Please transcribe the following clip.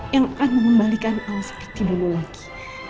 yang akan mengembalikan awas hati dulu lagi